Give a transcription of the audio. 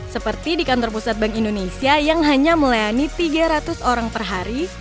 seperti di kantor pusat bank indonesia yang hanya melayani tiga ratus orang per hari